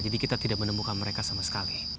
jadi kita tidak menemukan mereka sama sekali